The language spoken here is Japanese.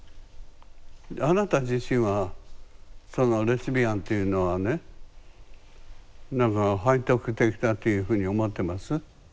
あなた自身はそのレズビアンっていうのはね何か背徳的だというふうに思ってます？